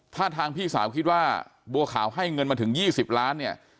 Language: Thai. ถ้าทางพี่สาวคิดว่าบัวขาวให้เงินมาถึง๒๐ล้านเนี่ย